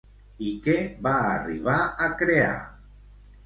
I què va arribar a crear?